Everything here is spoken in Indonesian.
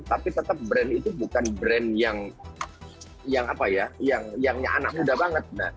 tapi tetap brand itu bukan brand yang yang apa ya yang anak muda banget